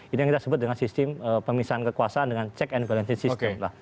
ini yang kita sebut dengan sistem pemisahan kekuasaan dengan check and balance system lah